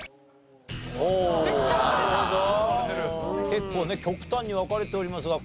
結構ね極端に分かれておりますが。